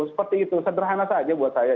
seperti itu sederhana saja buat saya